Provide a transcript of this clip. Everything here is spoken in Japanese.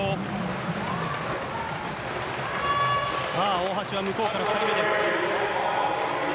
大橋は向こうから２人目です。